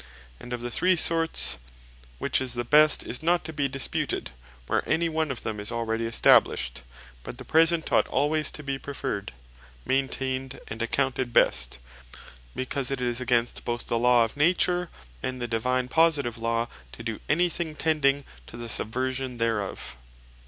And of the three sorts, which is the best, is not to be disputed, where any one of them is already established; but the present ought alwaies to be preferred, maintained, and accounted best; because it is against both the Law of Nature, and the Divine positive Law, to doe any thing tending to the subversion thereof.